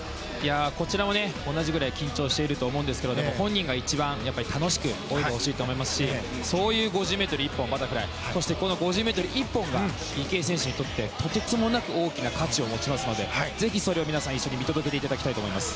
こちらと同じくらい緊張していると思いますが本人が一番楽しく泳いでほしいと思いますしそういう５０ｍ１本バタフライそしてこの５０ｍが池江選手にとって大きな価値を持ちますのでぜひそれを皆さん一緒に見届けていただきたいと思います。